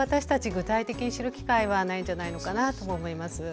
具体的に知る機会はないんじゃないのかなと思います。